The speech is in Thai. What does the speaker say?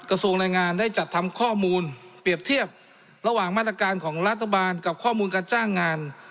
กระทรวงแรงงานได้จัดทำข้อมูลเปรียบเทียบระหว่างมาตรการของรัฐบาลกับข้อมูลการจ้างงาน